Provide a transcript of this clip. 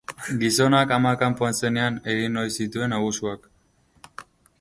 Gizonak ama kanpoan zenean egin ohi zituen abusuak.